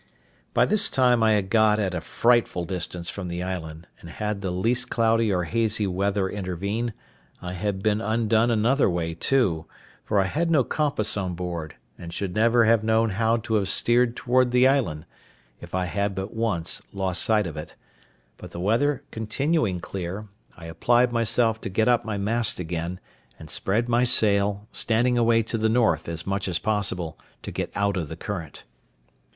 By this time I had got at a frightful distance from the island, and had the least cloudy or hazy weather intervened, I had been undone another way, too; for I had no compass on board, and should never have known how to have steered towards the island, if I had but once lost sight of it; but the weather continuing clear, I applied myself to get up my mast again, and spread my sail, standing away to the north as much as possible, to get out of the current.